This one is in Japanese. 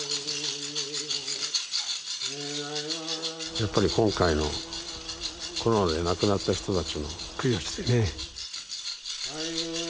やっぱり今回のコロナで亡くなった人たちの供養してね。